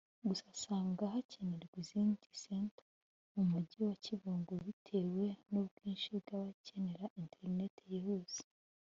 Gusa asanga hakenewe izindi Center mu Mujyi wa Kibungo bitewe n’ubwinshi bw’abakenera internet yihuse